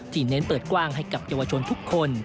เน้นเปิดกว้างให้กับเยาวชนทุกคน